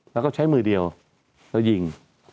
แล้วก็ใช้มือเดียวแล้วยิง